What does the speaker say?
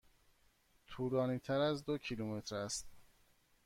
طولانی تر از دو کیلومتر است.